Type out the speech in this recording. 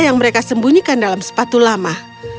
yang mereka sembunyikan dalam sepatu lama